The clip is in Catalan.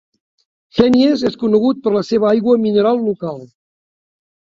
Henniez és conegut per la seva aigua mineral local.